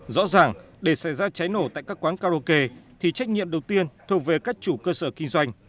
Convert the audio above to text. rõ ràng để xảy ra cháy nổ tại các quán karaoke thì trách nhiệm đầu tiên thuộc về các chủ cơ sở kinh doanh